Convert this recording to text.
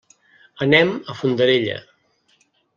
Anem a Fondarella.